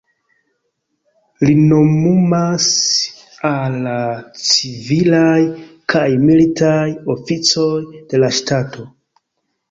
Li nomumas al la civilaj kaj militaj oficoj de la ŝtato.